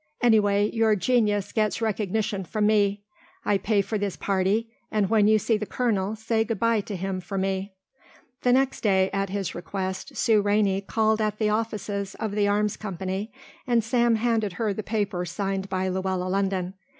Anyway your genius gets recognition from me. I pay for this party and when you see the colonel say good bye to him for me." The next day, at his request, Sue Rainey called at the offices of the Arms Company and Sam handed her the paper signed by Luella London.